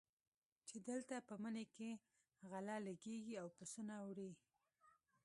چې دلته په مني کې غله لګېږي او پسونه وړي.